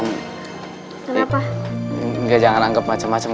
enggak jangan anggap macem macem